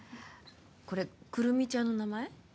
これ胡桃ちゃんの名前？